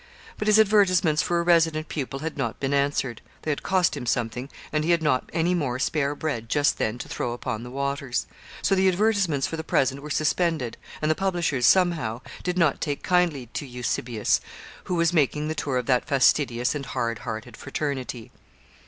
But his advertisements for a resident pupil had not been answered; they had cost him something, and he had not any more spare bread just then to throw upon the waters. So the advertisements for the present were suspended; and the publishers, somehow, did not take kindly to Eusebius, who was making the tour of that fastidious and hard hearted fraternity.